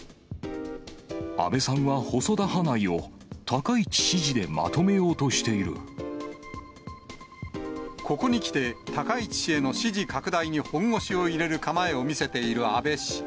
安倍さんは細田派内を、ここにきて、高市氏への支持拡大に本腰を入れる構えを見せている安倍氏。